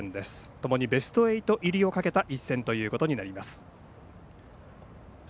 ともにベスト８入りをかけた一戦ということになります。